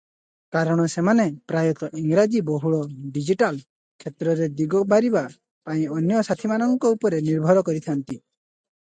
କାରଣ ସେମାନେ ପ୍ରାୟତଃ ଇଂରାଜୀ-ବହୁଳ ଡିଜିଟାଲ କ୍ଷେତ୍ରରେ ଦିଗ ବାରିବା ପାଇଁ ଅନ୍ୟ ସାଥୀମାନଙ୍କ ଉପରେ ନିର୍ଭର କରିଥାନ୍ତି ।